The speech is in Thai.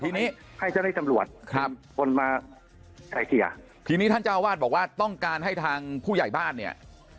ทีนี้ให้เจ้าหน้าที่ตำรวจครับคนมาไกลเกลี่ยทีนี้ท่านเจ้าวาดบอกว่าต้องการให้ทางผู้ใหญ่บ้านเนี่ย